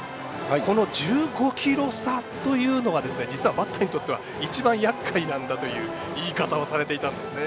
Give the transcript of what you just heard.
この１５キロ差というのは実はバッターにとっては一番やっかいなんだという言い方をされていたんですね。